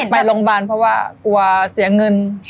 ไปโรงพยาบาลเพราะว่ากลัวเสียเงิน